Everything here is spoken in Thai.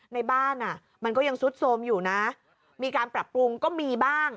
ในบ้านอ่ะมันก็ยังซุดโทรมอยู่นะมีการปรับปรุงก็มีบ้าง